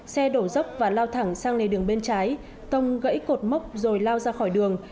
xe đổ dốc và lao thẳng sang lề đường bên trái tông gãy cột mốc rồi lao ra khỏi đường